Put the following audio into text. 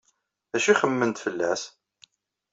D acu ay xemmement fell-as?